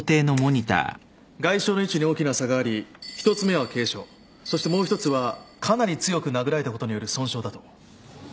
外傷の位置に大きな差があり１つ目は軽傷そしてもう一つはかなり強く殴られたことによる損傷だと。